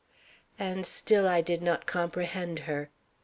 And still I did not comprehend her.